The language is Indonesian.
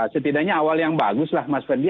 setidaknya awal yang bagus mas fendi